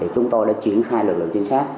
chúng tôi đã chuyển khai lực lượng trinh sát